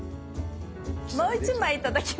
もう１枚頂きます。